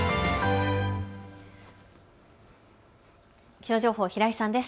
気象情報、平井さんです。